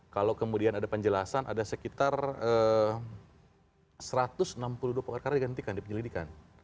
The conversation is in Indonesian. kalau kemudian ada penjelasan ada sekitar satu ratus enam puluh dua perkara digantikan di penyelidikan